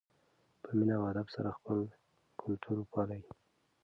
په مینه او ادب سره خپل کلتور وپالئ.